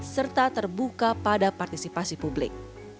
serta terbuka pada partisipasi publik